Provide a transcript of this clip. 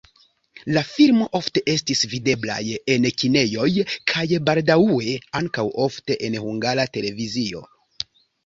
La filmo ofte estis videblaj en kinejoj kaj baldaŭe ankaŭ ofte en Hungara Televizio.